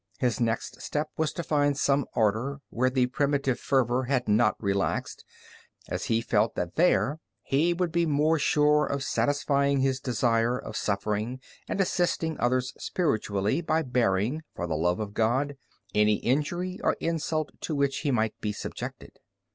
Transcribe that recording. His next step was to find some Order where the primitive fervor had not relaxed, as he felt that there he would be more sure of satisfying his desire of suffering and assisting others spiritually by bearing, for the love of God, any injury or insult to which he might be subjected.